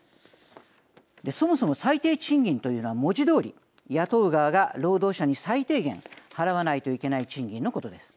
そもそも最低賃金というのは文字どおり雇う側が労働者に最低限払わないといけない賃金のことです。